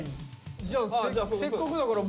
じゃあせっかくだから。